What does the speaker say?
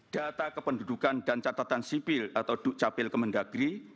data kependudukan dan catatan sipil atau dukcapil kemendagri